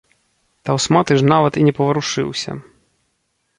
Таўсматы ж нават і не паварушыўся.